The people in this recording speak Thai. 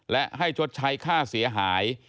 และให้ชดใช้ค่าเสียหาย